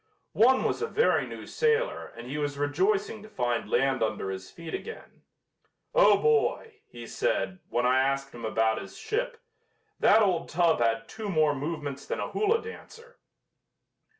One was a very new sailor and he was rejoicing to find land under his feet again. "Oh, boy!" he said, when I asked him about his ship, "that old tub had two more movements than a hula dancer."